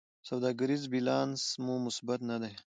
سوداګریز بیلانس مو مثبت نه دی.